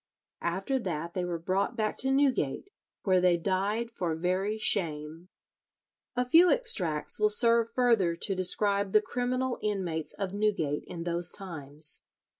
After that they were brought back to Newgate, where they died for very shame. A few extracts will serve further to describe the criminal inmates of Newgate in those times.